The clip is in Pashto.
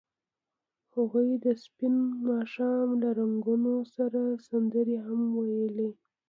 هغوی د سپین ماښام له رنګونو سره سندرې هم ویلې.